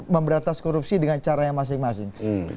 memberantas korupsi dengan caranya masing masing